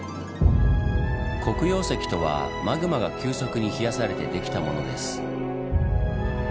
黒曜石とはマグマが急速に冷やされてできたものです。